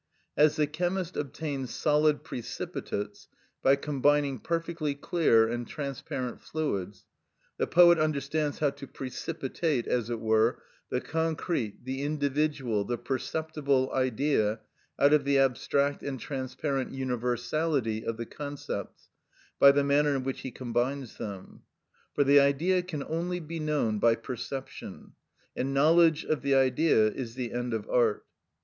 As the chemist obtains solid precipitates by combining perfectly clear and transparent fluids; the poet understands how to precipitate, as it were, the concrete, the individual, the perceptible idea, out of the abstract and transparent universality of the concepts by the manner in which he combines them. For the Idea can only be known by perception; and knowledge of the Idea is the end of art.